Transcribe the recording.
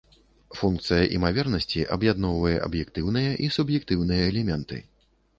Функцыя імавернасці аб'ядноўвае аб'ектыўныя і суб'ектыўныя элементы.